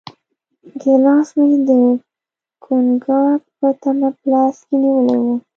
ګیلاس مې د کوګناک په تمه په لاس کې نیولی و.